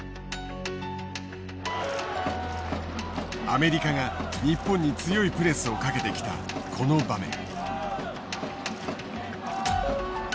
アメリカが日本に強いプレスをかけてきたこの場面。